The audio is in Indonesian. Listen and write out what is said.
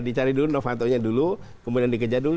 dicari dulu novantonya dulu kemudian dikejar dulu